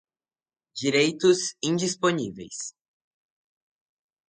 direitos indisponíveis